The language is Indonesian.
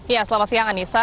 ya selamat siang anissa